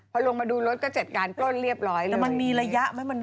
พอลงมาดูรถก็เจ็ดกานโป้นเรียบร้อยเลยมันมีระยะมั้ย